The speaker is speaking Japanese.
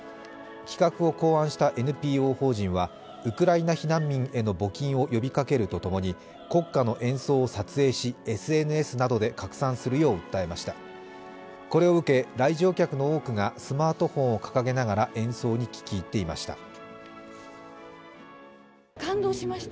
企画を考案したＮＰＯ法人は、ウクライナ避難民への募金を呼びかけるとともに、国歌の演奏を撮影し、ＳＮＳなどで拡散するよう訴えましたこれを受け、来場客の多くがスマートフォンを掲げながら演奏に聴き入っていました。